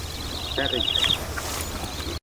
terriñ